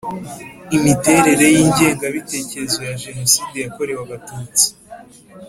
Imiterere y’ingengabitekerezo ya Jenoside yakorewe Abatutsi